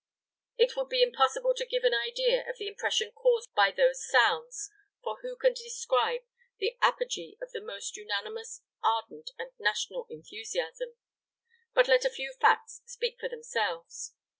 It would be impossible to give an idea of the impression caused by those sounds, for who can describe the apogee of the most unanimous, ardent, and national enthusiasm? But let a few facts speak for themselves.